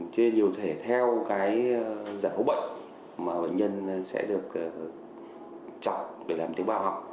chia ra nhiều thể theo dạng hốc bệnh mà bệnh nhân sẽ được chọc để làm tiếng bào học